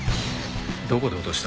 どこで落とした？